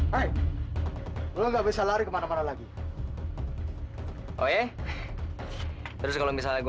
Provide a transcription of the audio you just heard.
hai hai hai belum bisa lari kemana mana lagi oh ya terus kalau misalnya gue